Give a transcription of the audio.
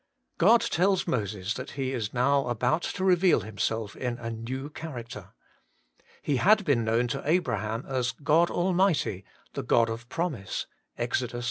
God tells Moses that He is now about to reveal Himself in a new character. He had been known to Abraham as God Almighty, the God of Promise (Ex. vi.